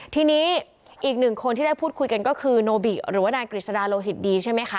ทีนี้อีกหนึ่งคนที่ได้พูดคุยกันก็คือโนบิหรือว่านายกฤษฎาโลหิตดีใช่ไหมคะ